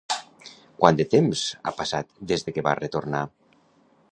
Quant de temps ha passat des que va retornar?